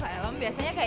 kalau misalnya ku eee